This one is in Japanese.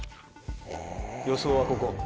予想はここ？